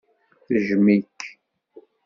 Tejjem-ik.